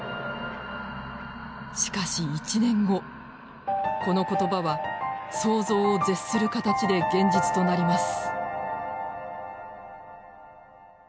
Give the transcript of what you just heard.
しかし１年後この言葉は想像を絶する形で現実となります。